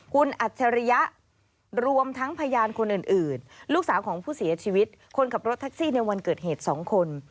คุณอัจฉริยะรวมทั้งพยานคนอื่นลูกสาวของผู้เสียชีวิตคนขับรถแท็กซี่ในวันเกิดเหตุ๒คน